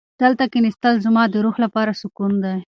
دلته کښېناستل زما د روح لپاره سکون دی.